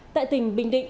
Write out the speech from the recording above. tại tỉnh bình định